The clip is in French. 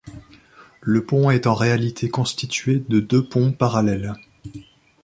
Le pont est en réalité constitué de deux ponts parallèles.